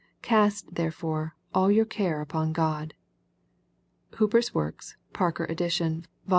Cast therefore, a..! your care upon God." — JBooper'a Works. Parker EdU. vol.